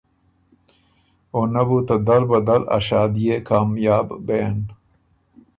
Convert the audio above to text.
او نۀ بو ته دل بدل ا شادئے کامیاب بېن۔